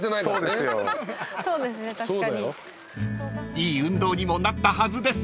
［いい運動にもなったはずです］